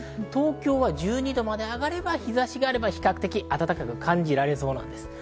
東京は１２度まで上がれば、日差しがあれば比較的暖かく感じられそうです。